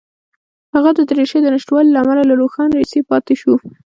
هغه د دریشۍ د نشتوالي له امله له روښان لېسې پاتې شو